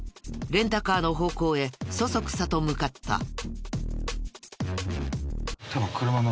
レンタカーの方向へそそくさと向かった。